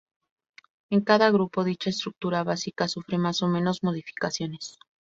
En cada grupo, dicha estructura básica sufre más o menos modificaciones.